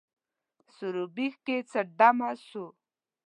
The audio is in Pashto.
سروبي کښي څه دمه سوو